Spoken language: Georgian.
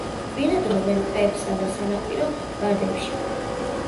ბინადრობენ ტყეებსა და სანაპირო ბარდებში.